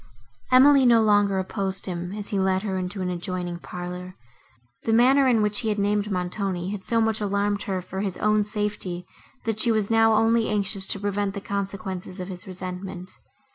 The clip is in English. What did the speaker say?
Emily no longer opposed him, as he led her into an adjoining parlour; the manner, in which he had named Montoni, had so much alarmed her for his own safety, that she was now only anxious to prevent the consequences of his just resentment.